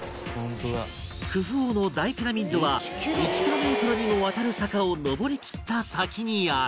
クフ王の大ピラミッドは１キロメートルにもわたる坂を上りきった先にある